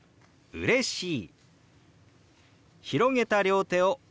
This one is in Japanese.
「うれしい」。